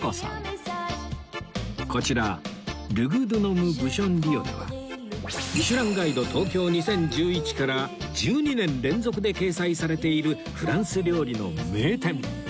こちらルグドゥノムブションリヨネは『ミシュランガイド東京２０１１』から１２年連続で掲載されているフランス料理の名店